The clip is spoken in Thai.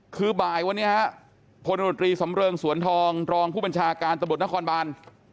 คือบ่ายวันนี้ครับโพธินโดรตรีสำเริงสวนทองรองผู้บัญชาการตะบดนครบาล